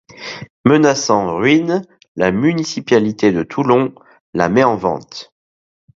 Menaçant ruines, la municipalité de Toulon la met en vente.